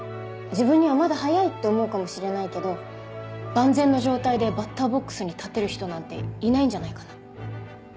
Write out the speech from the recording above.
自分にはまだ早いって思うかもしれないけど万全の状態でバッターボックスに立てる人なんていないんじゃないかな。